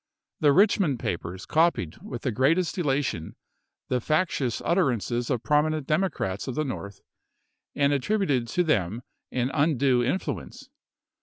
The Richmond papers copied with the greatest ela tion the factious utterances of prominent Democrats of the North and attributed to them an undue influ j.e. cooke, ence.